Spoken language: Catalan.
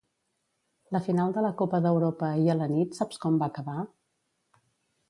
La final de la copa d'Europa ahir a la nit saps com va acabar?